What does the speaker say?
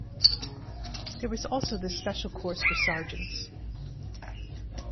There was also the Special Course for sergeants.